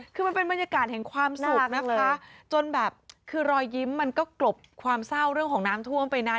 คือมันเป็นบรรยากาศแห่งความสุขนะคะจนแบบคือรอยยิ้มมันก็กลบความเศร้าเรื่องของน้ำท่วมไปนาน